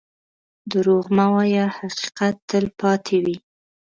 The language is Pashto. دروغ مه وایه، حقیقت تل پاتې وي.